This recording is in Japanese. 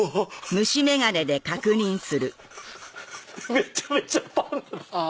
めちゃめちゃパンダ！